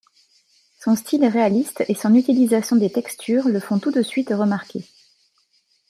Son style réaliste et son utilisation des textures le font tout de suite remarquer.